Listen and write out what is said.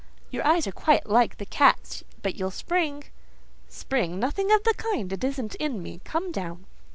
"Your eyes are quiet like the cat's, but you'll spring." "Spring? Nothing of the kind: it isn't in me. Come down."